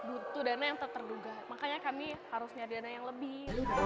butuh dana yang terduga makanya kami harus nyari dana yang lebih